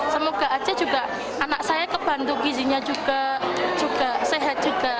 semoga aja juga anak saya kebantu gizinya juga sehat juga